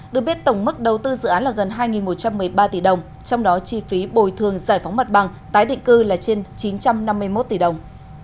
được biết tổng mức đầu tư dự án là gần hai một trăm một mươi ba tỷ đồng trong đó chi phí bồi thường giải phóng mặt bằng tái định cư là trên chín trăm năm mươi một tỷ đồng